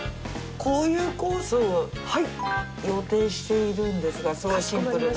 こういうコースを予定しているんですがすごいシンプルな。